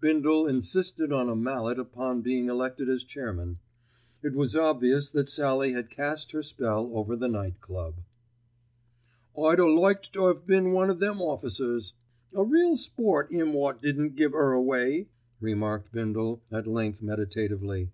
Bindle insisted on a mallet upon being elected as chairman. It was obvious that Sallie had cast her spell over the Night Club. "I'd a liked to 'ave been one o' them officers. A real sport 'im wot didn't give 'er away," remarked Bindle at length meditatively.